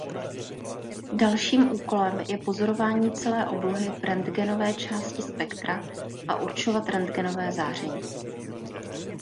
Dalším úkolem je pozorování celé oblohy v rentgenové části spektra a určovat rentgenového záření.